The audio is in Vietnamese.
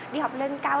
đi học lên cao